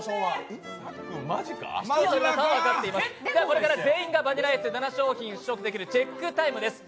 これから全員がバニラアイスを７商品試食をできるチェックタイムです。